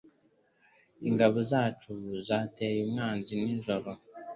Ingabo zacu zateye umwanzi nijoro.